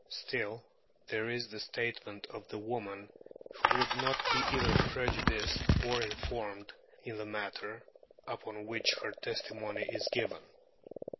Still, there is the statement of the woman, who would not be either prejudiced or informed, in the matter upon which her testimony is given.